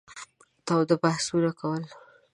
تاوده بحثونه کول.